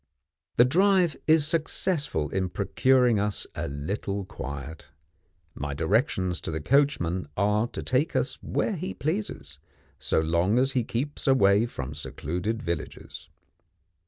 The drive is successful in procuring us a little quiet. My directions to the coachman are to take us where he pleases, so long as he keeps away from secluded villages.